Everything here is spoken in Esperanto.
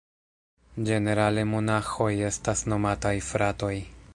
Ĝenerale monaĥoj estas nomataj "fratoj".